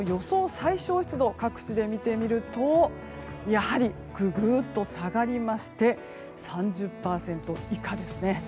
最小湿度各地で見てみるとやはりググッと下がりまして３０％以下ですね。